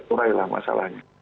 tetap berkulai lah masalahnya